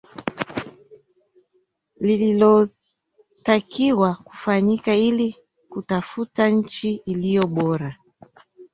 Lililotakiwa kufanyika ili kutafuta nchi iliyo bora